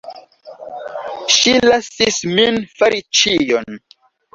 Ŝi lasis min fari ĉion.